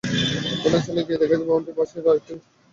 ঘটনাস্থলে গিয়ে দেখা যায়, ভবনটি পাশের আরেকটি ভবনের সঙ্গে লেগে গেছে।